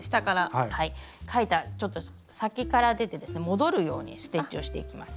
描いたちょっと先から出てですね戻るようにステッチをしていきます。